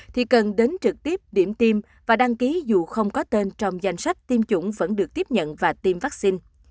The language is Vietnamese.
thì cần đến trực tiếp điểm tiêm và đăng ký dù không có tên trong danh sách tiêm chủng vẫn được tiếp nhận và tiêm vaccine